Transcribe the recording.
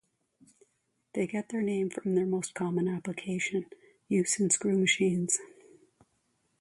They get their name from their most common application: use in screw machines.